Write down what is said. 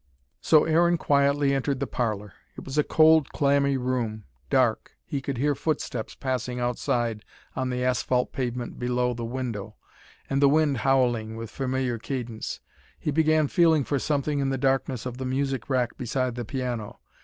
So Aaron quietly entered the parlour. It was a cold, clammy room, dark. He could hear footsteps passing outside on the asphalt pavement below the window, and the wind howling with familiar cadence. He began feeling for something in the darkness of the music rack beside the piano.